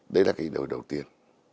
đấy là điều đầu tiên